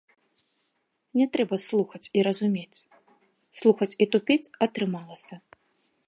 Не трэба слухаць і разумець, слухаць і тупець атрымалася.